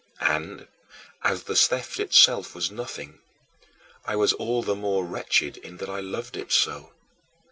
And, as the theft itself was nothing, I was all the more wretched in that I loved it so.